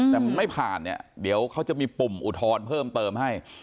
แต่มันไม่ผ่านเนี่ยเดี๋ยวเขาจะมีปุ่มอุทธรณ์เพิ่มเติมให้